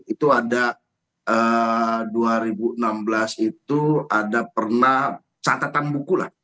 itu ada dua ribu enam belas itu ada pernah catatan buku lah